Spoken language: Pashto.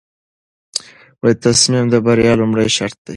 تصمیم د بریا لومړی شرط دی.